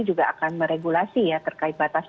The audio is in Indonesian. juga akan meregulasi ya terkait batas